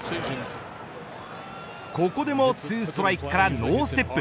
ここでも２ストライクからノーステップ。